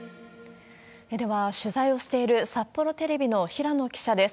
では、取材をしている札幌テレビの平野記者です。